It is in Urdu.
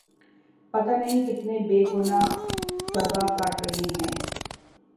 پتا نہیں کتنے بے گنا سزا کاٹ رہے ہیں